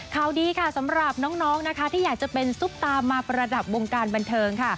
ข่าวดีค่ะสำหรับน้องนะคะที่อยากจะเป็นซุปตามาประดับวงการบันเทิงค่ะ